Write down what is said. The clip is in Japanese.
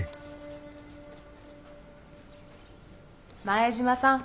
前島さん。